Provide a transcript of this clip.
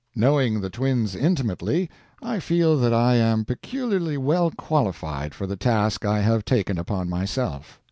Knowing the Twins intimately, I feel that I am peculiarly well qualified for the task I have taken upon myself.